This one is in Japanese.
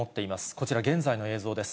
こちら現在の映像です。